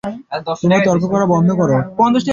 তোমরা তর্ক করা বন্ধ করো!